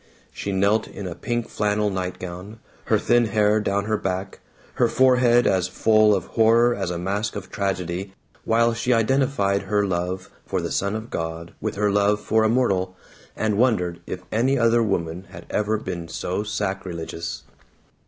She knelt in a pink flannel nightgown, her thin hair down her back, her forehead as full of horror as a mask of tragedy, while she identified her love for the Son of God with her love for a mortal, and wondered if any other woman had ever been so sacrilegious.